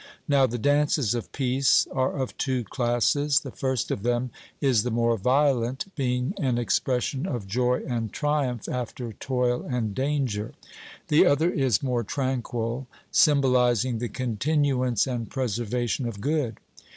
Now the dances of peace are of two classes: the first of them is the more violent, being an expression of joy and triumph after toil and danger; the other is more tranquil, symbolizing the continuance and preservation of good.